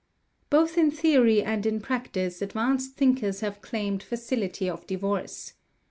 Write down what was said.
Both in theory and in practice advanced thinkers have claimed facility of divorce.